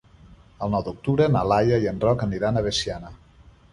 El nou d'octubre na Laia i en Roc aniran a Veciana.